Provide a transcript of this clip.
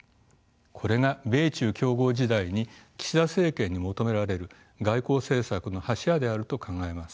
これが米中競合時代に岸田政権に求められる外交政策の柱であると考えます。